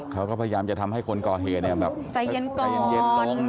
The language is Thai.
เขาก็พยายามจะทำให้คนก่อเหตุใจเย็นก่อน